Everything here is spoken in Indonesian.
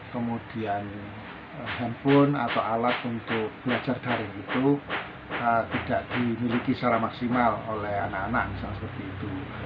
kemudian handphone atau alat untuk belajar daring itu tidak dimiliki secara maksimal oleh anak anak misalnya seperti itu